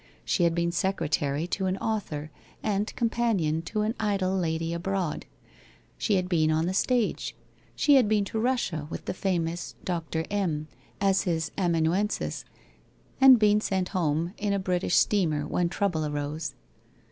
She had been secretary to an author, and companion to an idle lady abroad. She had been on the stage. She had been to Eussia with the famous Dr. M as his amanuensis, and been sent home in a British steamer when trouble arose.